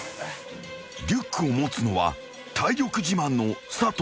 ［リュックを持つのは体力自慢の佐藤］